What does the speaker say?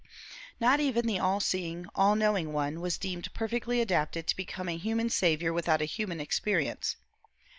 Not even the All seeing, All knowing One was deemed perfectly adapted to become a human Saviour without a human experience.